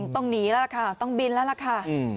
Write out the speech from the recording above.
ต้องหนีแล้วล่ะค่ะต้องบินแล้วล่ะค่ะ